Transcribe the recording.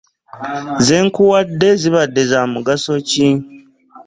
Ze nkuwadde zibadde za mugaso ki?